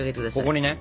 ここにね。